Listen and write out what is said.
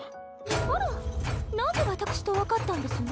・あら何で私と分かったんですの？